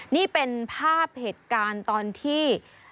นี่เป็นภาพเหตุการณ์ตอนที่